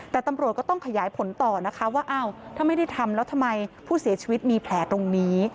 แต่ตำรวจก็ต้องขยายผลต่อนะคะว่าอ้าวถ้าไม่ได้ทำแล้วทำไมผู้เสียชีวิตมีแผลตรงนี้